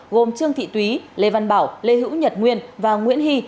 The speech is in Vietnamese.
gồm trương thị túy lê văn bảo lê hữu nhật nguyên và nguyễn hy